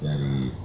jawa barat triduan